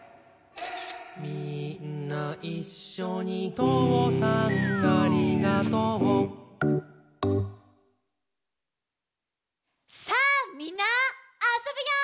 「みーんないっしょにとうさんありがとう」さあみんなあそぶよ！